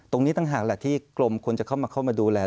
ตรงนี้ต่างหากแหละที่กรมควรจะเข้ามาดูแล